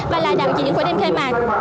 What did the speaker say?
và là đạo diễn của đêm khai mạc